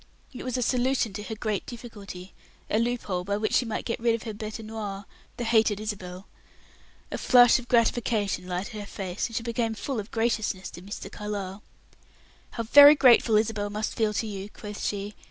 It was a solution to her great difficulty, a loophole by which she might get rid of her bete noire, the hated Isabel. A flush of gratification lighted her face, and she became full of graciousness to Mr. Carlyle. "How very grateful Isabel must feel to you," quoth she.